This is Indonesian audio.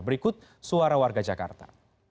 berikut suara warga jakarta